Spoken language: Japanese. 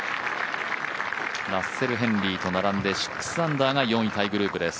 ラッセル・ヘンリーと並んで６アンダーが４位タイグループです。